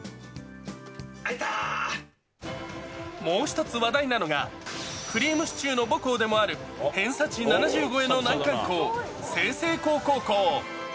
もう１つ話題なのが、くりぃむしちゅーの母校でもある、偏差値７０超えの難関校、済々黌高校。